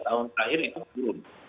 tahun terakhir itu turun